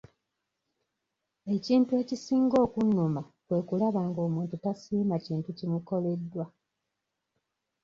Ekintu ekisinga okunnuma kwe kulaba ng'omuntu tasiima kintu kimukoleddwa.